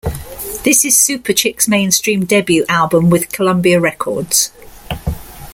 This is Superchick's mainstream debut album with Columbia Records.